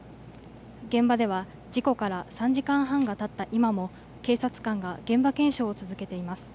現場では事故から３時間半がたった今も警察官が現場検証を続けています。